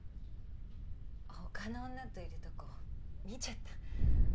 他の女といるとこ見ちゃった。